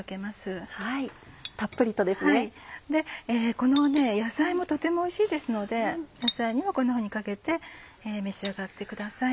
この野菜もとてもおいしいですので野菜にもこんなふうにかけて召し上がってください。